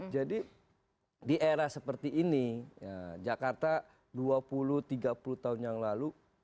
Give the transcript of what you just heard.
jadi di era seperti ini jakarta dua puluh tiga puluh tahun yang lalu